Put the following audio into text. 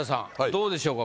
どうでしょうか？